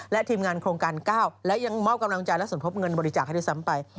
และทีมงานโครงการ๙และยังมอบกำลังใจและสมทบเงินบริจาคให้ด้วยซ้ำไป